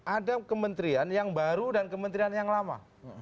ada kementerian yang baru dan kementerian yang lama